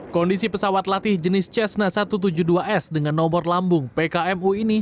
kondisi pesawat latih jenis cessna satu ratus tujuh puluh dua s dengan nomor lambung pkmu ini